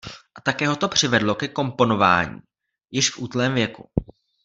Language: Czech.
A také ho to přivedlo ke komponování již v útlém věku.